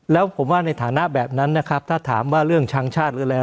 แล้วผมว่าในฐานะแบบนั้นนะครับถ้าถามว่าเรื่องช้างชาติหรืออะไร